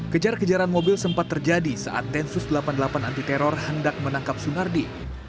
kejar kejaran mobil sempat terjadi saat densus delapan puluh delapan anti teror hendak menangkap sunardi